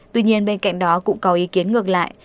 tuy nhiên bên cạnh đó cũng có ý kiến ngược lại